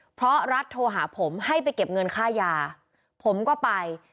เพราะรัฐโทรหาผมให้ไปเก็บเงินค่ายาผมก็ไป